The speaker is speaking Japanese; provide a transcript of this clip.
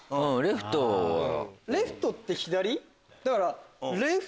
レフトって左？だから。